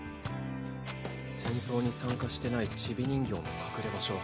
戦闘に参加してないチビ人形の隠れ場所。